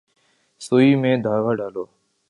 سوئی میں دھاگہ ڈالو۔